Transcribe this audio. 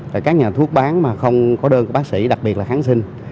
tại các nhà thuốc bán mà không có đơn của bác sĩ đặc biệt là kháng sinh